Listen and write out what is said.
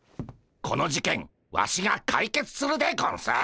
この事件ワシが解決するでゴンス。